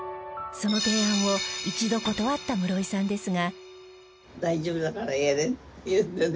その提案を一度断った室井さんですが